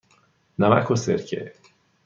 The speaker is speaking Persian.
نمک و سرکه.